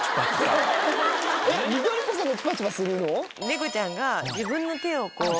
ネコちゃんが自分の手をこう。